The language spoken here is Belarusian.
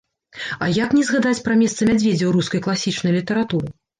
А як не згадаць пра месца мядзведзя ў рускай класічнай літаратуры.